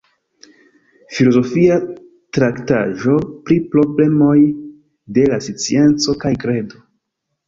Filozofia traktaĵo pri problemoj de la scienco kaj kredo.